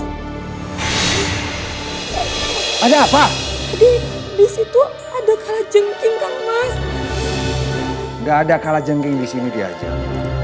gak ada kalajengking disini diyajeng